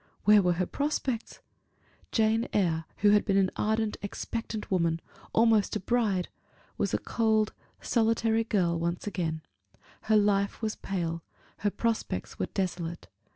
where were her prospects? Jane Eyre, who had been an ardent, expectant woman almost a bride was a cold, solitary girl again: her life was pale; her prospects were desolate.